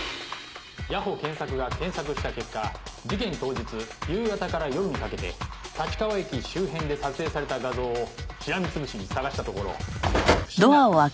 谷保健作が検索した結果事件当日夕方から夜にかけて立川駅周辺で撮影された画像をしらみ潰しに捜したところ不審な。